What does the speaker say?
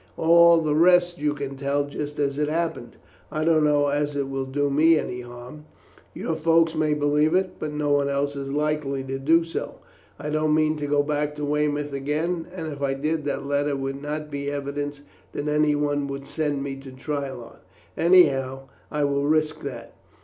All the rest you can tell just as it happened. I don't know as it will do me any harm. Your folks may believe it, but no one else is likely to do so. I don't mean to go back to Weymouth again, and if I did that letter would not be evidence that anyone would send me to trial on. Anyhow, I will risk that."